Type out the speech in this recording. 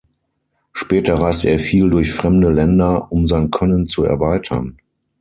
Später reiste er viel durch fremde Länder um sein Können zu erweitern.